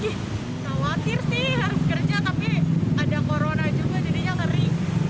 khawatir sih harus kerja tapi ada corona juga jadinya ngeri